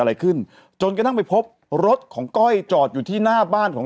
อะไรขึ้นจนกระทั่งไปพบรถของก้อยจอดอยู่ที่หน้าบ้านของ